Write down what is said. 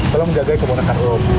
tolong jagai kebonakan om